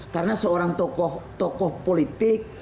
karena seorang tokoh politik